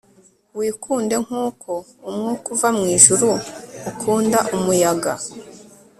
Wikunde nkuko umwuka uva mwijuru ukunda umuyaga